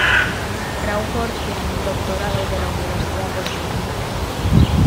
Crawford tiene un doctorado de la Universidad de Sydney.